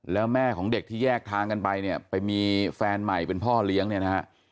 แล้วแม่ของเด็กที่แยกทางกันไปเนี่ยไปมีแฟนใหม่เป็นพ่อเลี้ยงเนี่ยนะฮะ